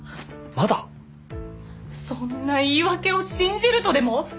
そんな言い訳を信じるとでも？